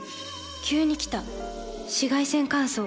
急に来た紫外線乾燥。